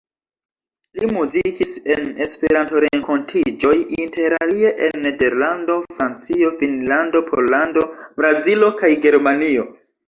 Li muzikis en Esperanto-renkontiĝoj interalie en Nederlando, Francio, Finnlando, Pollando, Brazilo kaj Germanio.